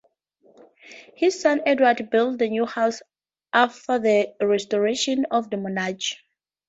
His son Edward built the new house after the Restoration of the Monarchy.